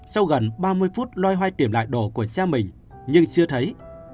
sau gần ba mươi phút loay hoay tìm lại đồ của xe mình nhưng chưa thấy